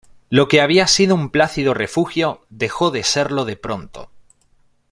Lo que había sido un plácido refugio dejó de serlo de pronto.